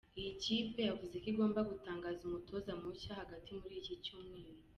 Iyi kipe yavuze ko igomba gutangaza umutoza mushya hagati muri iki cyumweru.